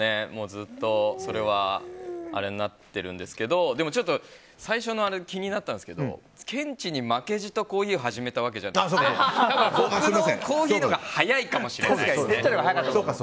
ずっと、それはあれになってるんですけどでも、最初のあれ気になったんですけどケンチに負けじとコーヒーを始めたわけじゃなくて僕のコーヒーのほうが早いかもしれないですね